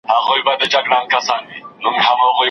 راغلی مه وای د وطن باده